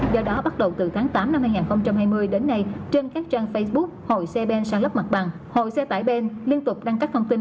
do đó bắt đầu từ tháng tám năm hai nghìn hai mươi đến nay trên các trang facebook hội xe bèn sang lắp mặt bằng hội xe tải bèn liên tục đăng các thông tin